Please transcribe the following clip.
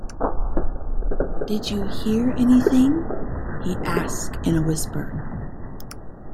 "Did you hear anything?" he asked in a whisper.